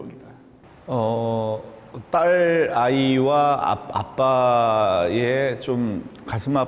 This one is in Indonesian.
saya sedang berpikir tentang cerita yang membuat hati saya